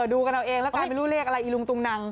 ดูกันเอาเองแล้วกันไม่รู้เลขอะไรอีลุงตุงนัง